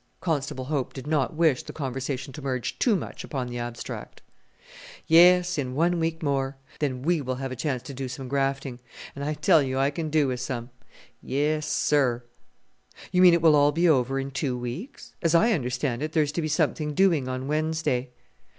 Constable Hope did not wish the conversation to merge too much upon the abstract. "Yes in one week more then we will have a chance to do some grafting. And I tell you I can do with some; yes, sir!" "You mean it will be all over in two weeks? As I understand it, there is to be something doing on Wednesday."